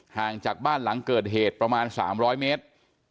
ห่างจากบ้านหลังเกิดเหตุประมาณ๓๐๐เมตร